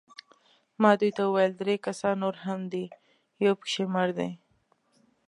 ما دوی ته وویل: درې کسان نور هم دي، یو پکښې مړ دی.